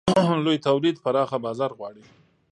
لوی تولید پراخه بازار غواړي.